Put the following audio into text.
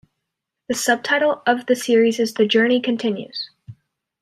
The subtitle of the series is "The Journey Continues".